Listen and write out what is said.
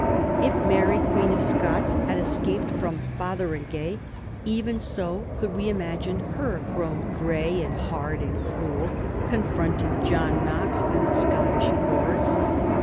If Mary, Queen of Scots, had escaped from Fotheringay, even so could we imagine her, grown gray and hard and cruel, confronting John Knox and the Scottish lords.